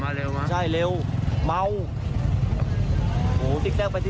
มันเหมือนคนเมานะพี่